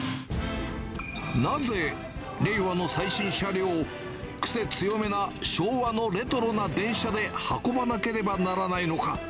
なぜ令和の最新車両を、癖強めな昭和のレトロな電車で運ばなければならないのか。